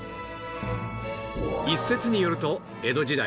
一説によると江戸時代